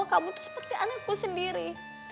kan aku sendiri